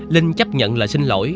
linh chấp nhận lời xin lỗi